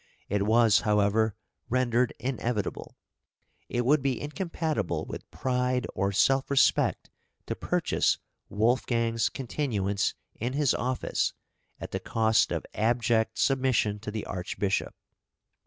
It was, however, rendered inevitable. It would be incompatible with pride or self respect to purchase Wolfgang's continuance in his office at the cost of abject submission to the Archbishop.